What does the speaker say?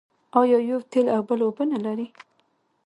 آیا یوه تېل او بل اوبه نلري؟